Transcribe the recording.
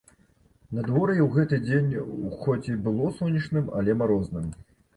Надвор'е ў гэты дзень у хоць і было сонечным, але марозным.